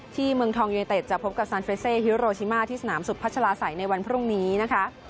เมืองทองยูเนเต็ดจะพบกับซานเฟรเซฮิโรชิมาที่สนามสุดพัชลาศัยในวันพรุ่งนี้นะคะ